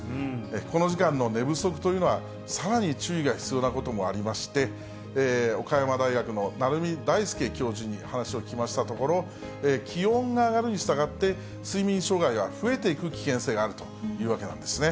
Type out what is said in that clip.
この時間の寝不足というのはさらに注意が必要なこともありまして、岡山大学の鳴海大典教授に話を聞きましたところ、気温が上がるにしたがって、睡眠障害が増えていく危険性があるというわけなんですね。